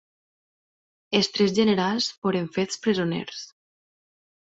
Els tres generals foren fets presoners.